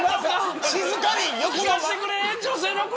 聞かしてくれ、女性の声。